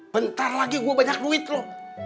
bentar lagi gua banyak duit lu